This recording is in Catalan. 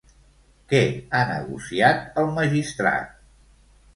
Què ha negociat el magistrat?